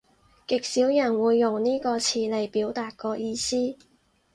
極少人會用呢個詞嚟表達個意思